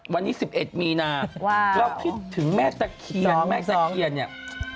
วันนี้๑๑มีนาเราคิดถึงแม่ตะเคียนแม่ตะเคียนเนี่ย